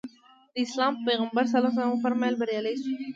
د اسلام پیغمبر ص وفرمایل بریالی شو.